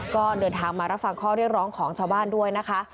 ก็เดินทางมารับฟังข้อเรียกร้องของชาวบ้านด้วยนะคะ